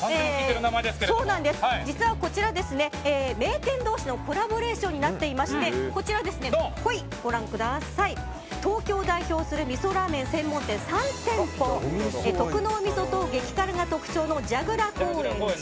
実はこちら、名店同士のコラボレーションになっていて東京を代表する味噌ラーメン専門店３店舗、特濃味噌と激辛が特徴のじゃぐら高円寺。